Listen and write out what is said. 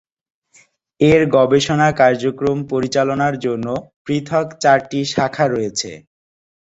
এর গবেষণা কার্যক্রম পরিচালনার জন্য পৃথক চারটি শাখা রয়েছে।